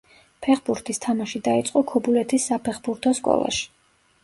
ფეხბურთის თამაში დაიწყო ქობულეთის საფეხბურთო სკოლაში.